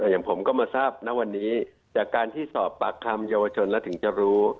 อย่างผมก็มาทราบนะวันนี้จากการที่สอบปากคำเยาวชนแล้วถึงจะรู้